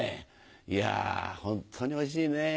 いやホントにおいしいね。